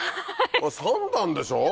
３段でしょ？